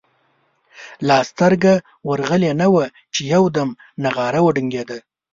لا سترګه ورغلې نه وه چې یو دم نغاره وډنګېده.